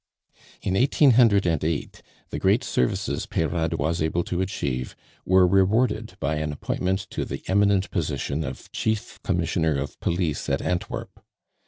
In 1808 the great services Peyrade was able to achieve were rewarded by an appointment to the eminent position of Chief Commissioner of Police at Antwerp.